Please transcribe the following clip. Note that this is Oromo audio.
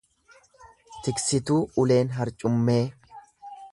Tiksituu uleen harcummee